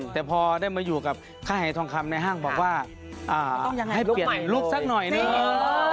แต่พอได้มาอยู่กับค่ายหายทองคำในห้างบอกว่าให้เปลี่ยนใหม่ลูกสักหน่อยนึง